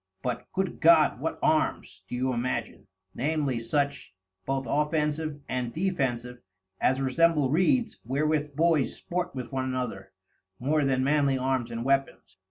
But, good God, what Arms, do you imagin? Namely such, both Offensive and Defensive, as resemble Reeds wherewith Boys sport with one another, more than Manly Arms and Weapons.